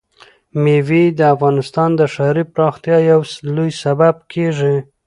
مېوې د افغانستان د ښاري پراختیا یو لوی سبب کېږي.